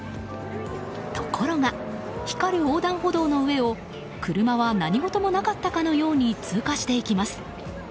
ところが光る横断歩道の上を車は何事もなかったかのように通過していきます。